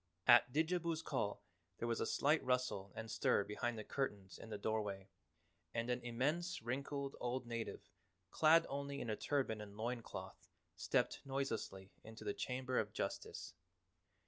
At Didjabo's call there was a slight rustle and stir behind the curtains in the doorway, and an immense wrinkled old native clad only in a turban and loin cloth stepped noiselessly into the Chamber of Justice.